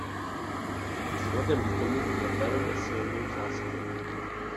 Vzhledem k tomu je velmi silnou zásadou.